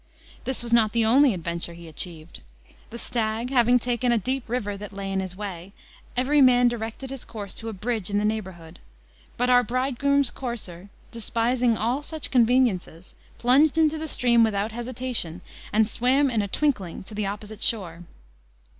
This was not the only adventure he achieved. The stag, having taken a deep river that lay in his way, every man directed his course to a bridge in the neighbourhood; but our bridegroom's courser, despising all such conveniences, plunged into the stream without hesitation, and swam in a twinkling to the opposite shore.